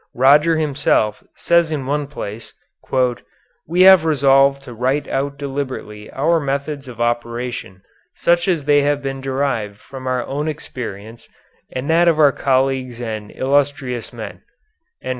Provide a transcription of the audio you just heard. Roger himself says in one place, "We have resolved to write out deliberately our methods of operation such as they have been derived from our own experience and that of our colleagues and illustrious men."